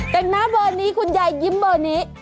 แต่งหน้าเบอร์นี้คุณยายยิ้มเบอร์นี้